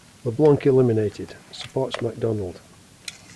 LeBlanc eliminated, supports MacDonald.